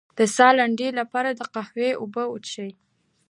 د ساه لنډۍ لپاره د قهوې اوبه وڅښئ